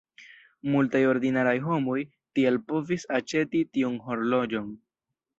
Multaj 'ordinaraj homoj' tial povis aĉeti tiun horloĝon.